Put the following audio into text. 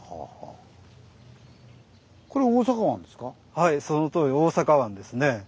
はいそのとおり大阪湾ですね。